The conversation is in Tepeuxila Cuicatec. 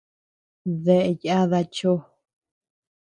¿Daë yada chó?